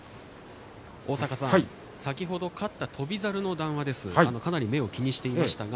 先ほど勝った翔猿の談話ですがかなり目を気にしていました。